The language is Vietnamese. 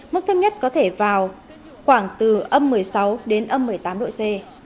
mức thấp nhất có thể vào khoảng từ âm một mươi sáu đến âm một mươi tám độ c